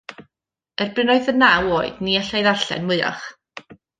Erbyn roedd yn naw oed, ni allai ddarllen mwyach.